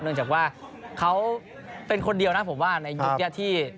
เนื่องจากว่าเขาเป็นคนเดียวนะผมว่าในยุคนี้ที่